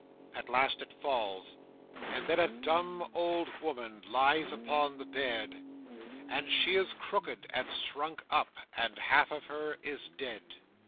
At last it falls; and then a dumb old woman lies upon the bed, and she is crooked and shrunk up, and half of her is dead.